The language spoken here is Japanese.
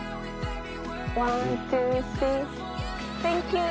ワンツースリー。